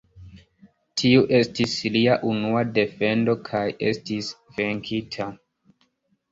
Tiu estis lia unua defendo kaj estis venkita.